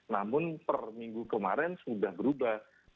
namun per minggu kemarin sudah berubah